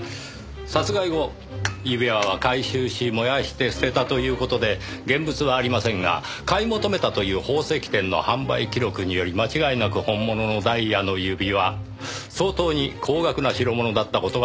殺害後指輪は回収し燃やして捨てたという事で現物はありませんが買い求めたという宝石店の販売記録により間違いなく本物のダイヤの指輪相当に高額な代物だった事が判明しています。